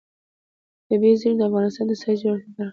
طبیعي زیرمې د افغانستان د سیاسي جغرافیه برخه ده.